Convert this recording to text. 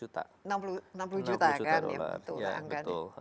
enam puluh juta kan ya betul